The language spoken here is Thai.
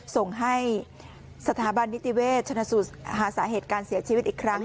ส่งให้สถาบันนิติเวชชนะสูตรหาสาเหตุการเสียชีวิตอีกครั้ง